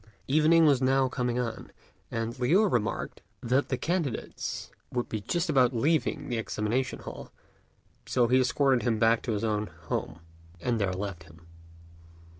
Evening was now coming on, and Liu remarked that the candidates would be just about leaving the examination hall; so he escorted him back to his own home, and there left him.